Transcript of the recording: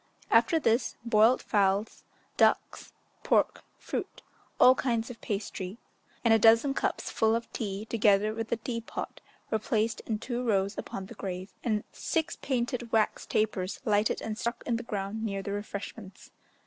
After this, boiled fowls, ducks, pork, fruit, all kinds of pastry, and a dozen cups full of tea, together with the tea pot, were placed in two rows upon the grave, and six painted wax tapers lighted and stuck in the ground near the refreshments.